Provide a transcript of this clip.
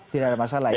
tidak ada masalah ya